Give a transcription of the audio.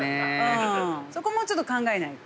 そこもうちょっと考えないと。